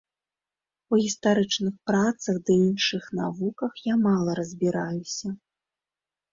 У гістарычных працах ды іншых навуках я мала разбіраюся.